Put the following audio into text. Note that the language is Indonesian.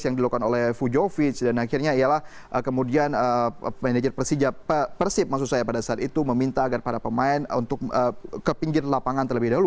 yang dilakukan oleh fujovic dan akhirnya ialah kemudian manajer persib maksud saya pada saat itu meminta agar para pemain untuk ke pinggir lapangan terlebih dahulu